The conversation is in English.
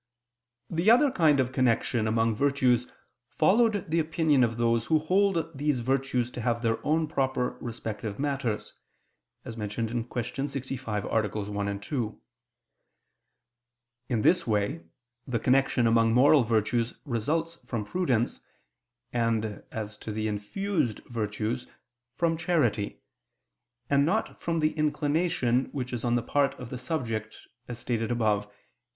The other kind of connection among virtues followed the opinion of those who hold these virtues to have their own proper respective matters (Q. 65, AA. 1, 2). In this way the connection among moral virtues results from prudence, and, as to the infused virtues, from charity, and not from the inclination, which is on the part of the subject, as stated above (Q.